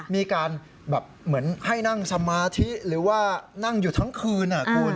มีการแบบเหมือนให้นั่งสมาธิหรือว่านั่งอยู่ทั้งคืนคุณ